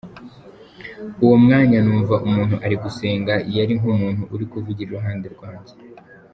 Uwo mwanya numva umuntu ari gusenga yari nk’umuntu uri kuvugira iruhande rwanjye.